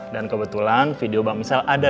dan kebetulan video mbak misel ada